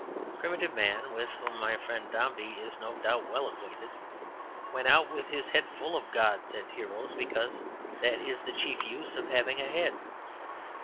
Primitive man (with whom my friend Dombey is no doubt well acquainted) went out with his head full of gods and heroes, because that is the chief use of having a head.